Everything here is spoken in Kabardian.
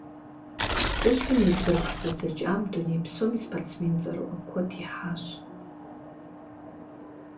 Хъущтым и «бгырыпх зэдзэкӏам» дуней псом и спортсмен цӏэрыӏуэ куэд ихьащ.